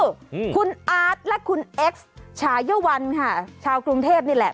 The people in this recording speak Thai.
อืมคุณอาร์ตและคุณเอ็กซ์ชายวันค่ะชาวกรุงเทพนี่แหละ